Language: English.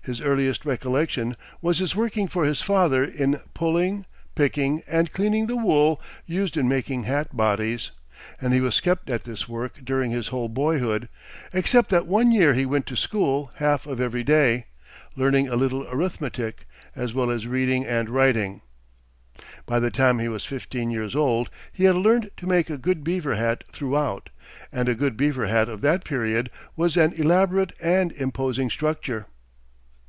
His earliest recollection was his working for his father in pulling, picking, and cleaning the wool used in making hat bodies, and he was kept at this work during his whole boyhood, except that one year he went to school half of every day, learning a little arithmetic, as well as reading and writing. By the time he was fifteen years old he had learned to make a good beaver hat throughout, and a good beaver hat of that period was an elaborate and imposing structure.